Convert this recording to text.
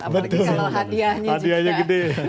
apalagi kalau hadiahnya juga